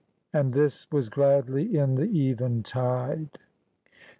AND THIS WAS GLADLY IN THE EVENTIDE.'